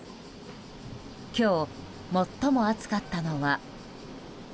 今日最も暑かったのは。